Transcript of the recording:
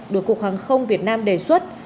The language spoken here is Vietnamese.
được cục hàng không việt nam đề xuất